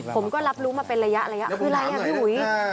ผมก็รับรู้มาเป็นระยะคืออะไรอ่ะพี่อุ๋ย